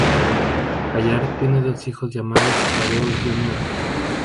Bullard tiene dos hijos llamados Thaddeus Jr.